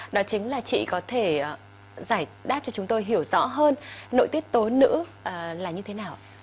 đó chính là chị có thể giải đáp cho chúng tôi hiểu rõ hơn nội tiết tối nữ là như thế nào ạ